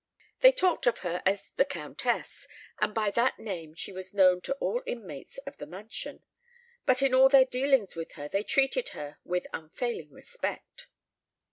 They talked of her as the "countess," and by that name she was known to all inmates of the mansion; but in all their dealings with her they treated her with unfailing respect.